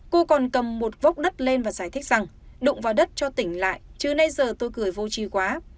cô còn cầm một vốc đất lên và giải thích rằng đụng vào đất cho tỉnh lại chứ nay giờ tôi cười vô chi quá